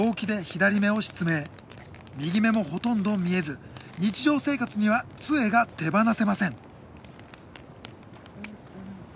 右目もほとんど見えず日常生活にはつえが手放せません。